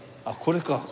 あっこれか。